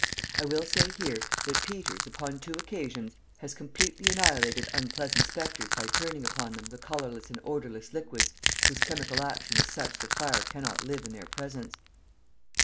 I will say here, that Peters upon two occasions has completely annihilated unpleasant spectres by turning upon them the colorless and odorless liquids whose chemical action is such that fire cannot live in their presence.